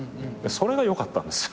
それが良かったんですよ。